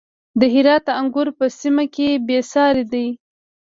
د هرات انګور په سیمه کې بې ساري دي.